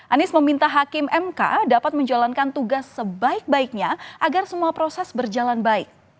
anies meminta hakim mk dapat menjalankan tugas sebaik baiknya agar semua proses berjalan baik